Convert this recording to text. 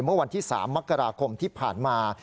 เมื่อวันที่๓มกราคมที่ผ่านมา